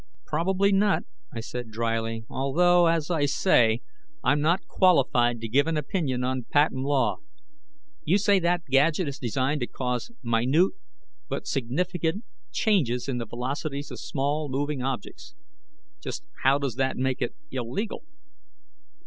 "Probably not," I said dryly, "although, as I say, I'm not qualified to give an opinion on patent law. You say that gadget is designed to cause minute, but significant, changes in the velocities of small, moving objects. Just how does that make it illegal?"